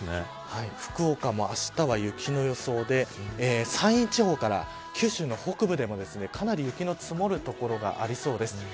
福岡も、あしたは雪の予想で山陰地方から九州の北部でもかなり雪の積もる所がありそうです。